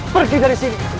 pergi dari sini